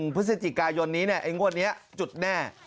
พฤศจิกายนนี้ไอ้งวดนี้จุดแน่